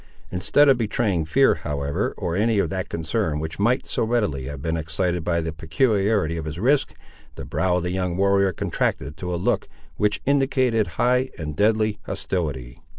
Instead of betraying fear, however, or any of that concern which might so readily have been excited by the peculiarity of his risk, the brow of the young warrior contracted to a look which indicated high and deadly hostility.